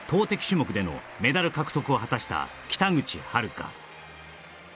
種目でのメダル獲得を果たした北口榛花